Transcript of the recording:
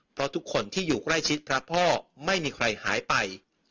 เพราะทุกคนที่อยู่ใกล้ชิดพระพ่อไม่มีใครหายไป